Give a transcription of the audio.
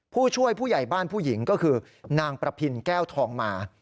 ผู้ช่วยผู้ใหญ่บ้านผู้หญิงก็คือนางประพินแก้วทองมา